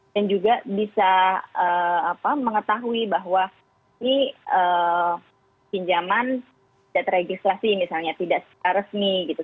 dan juga bisa mengetahui bahwa ini pinjaman tidak terregistrasi misalnya tidak resmi gitu